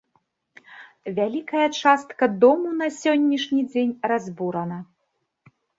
Вялікая частка дому на сённяшні дзень разбурана.